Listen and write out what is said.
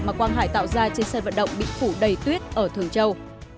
mà quang hải tạo ra trên sân vận động bị phủ đầy tuyết ở thường châu